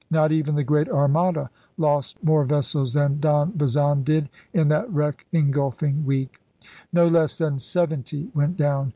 Not even the Great Armada lost more vessels than Don Bazan did in that wreck engulfing week. No less than seventy went down.